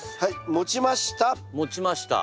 持ちました。